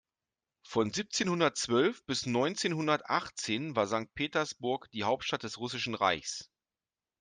Von siebzehnhundertzwölf bis neunzehnhundertachtzehn war Sankt Petersburg die Hauptstadt des Russischen Reichs.